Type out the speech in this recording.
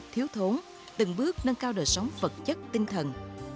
thiếu thốn từng bước nâng cao đời sống vật chất tinh thần